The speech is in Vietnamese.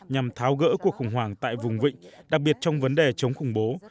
nhằm tháo gỡ cuộc khủng hoảng tại vùng vịnh đặc biệt trong vấn đề chống khủng bố